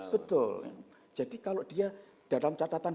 betul jadi kalau dia dalam catatan